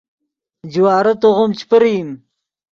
جوارے توغیم چے پریم